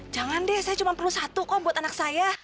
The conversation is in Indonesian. jangan deh saya cuma perlu satu kok buat anak saya